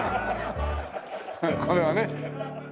これはね。